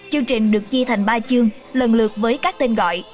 chương trình được chia thành ba chương lần lượt với các tên gọi